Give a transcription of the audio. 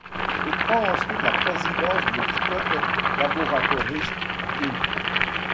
Il prend ensuite la présidence de Scott Laboratories Inc..